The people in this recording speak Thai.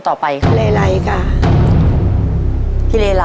ตัวเลือกที่สี่อายุ๙๖ปี๔เดือน๘วัน